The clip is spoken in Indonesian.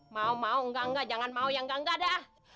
mau mau enggak enggak jangan mau yang enggak enggak dah